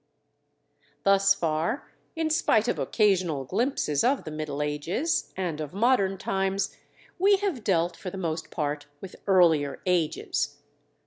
Thus far, in spite of occasional glimpses of the Middle Ages and of modern times, we have dealt, for the most part, with earlier ages.